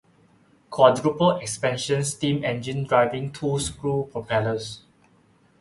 Quadruple expansion steam engine driving two screw propellers.